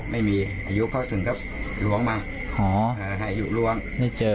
ไม่มีอายุเข้าถึงก็หลวงมากอ๋ออ่าอายุหลวงไม่เจอ